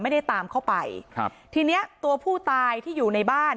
ไม่ได้ตามเข้าไปครับทีเนี้ยตัวผู้ตายที่อยู่ในบ้าน